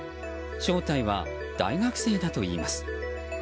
正体は大学生だといいます。